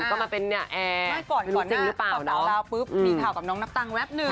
ก็มาเป็นแอร์ไม่รู้จริงหรือเปล่าเนาะปุ๊บมีข่าวกับน้องนับตังค์แว๊บนึง